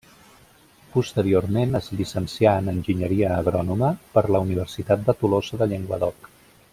Posteriorment es llicencià en enginyeria agrònoma per la Universitat de Tolosa de Llenguadoc.